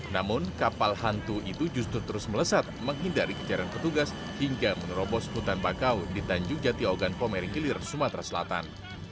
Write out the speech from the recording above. namun kapal hantu itu justru terus melesat menghindari kejaran petugas hingga menerobos hutan bakau di tanjung jati ogan komering hilir sumatera selatan